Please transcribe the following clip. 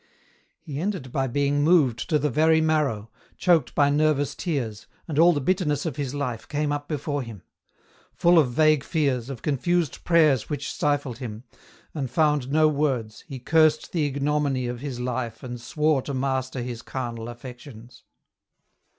He ended by being moved to the very marrow, choked by nervous tears, and all the bitterness of his life came up EN ROUTE. 27 before him ; full of vague fears, of confused prayers which stifled him, and found no words, he cursed the ignominy of his life and swore to master his carnal affections.